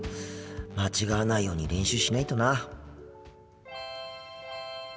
間違わないように練習しないとな。